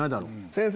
先生